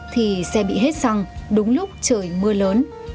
thì xe bị hết xăng đúng lúc trời mưa lớn